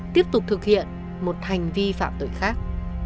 tiếp tục thực hiện một hành vi phạm tội khác